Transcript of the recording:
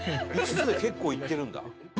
５つで結構いってるんだ。